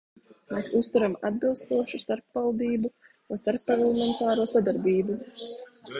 Mēs uzturam atbilstošu starpvaldību un starpparlamentāro sadarbību.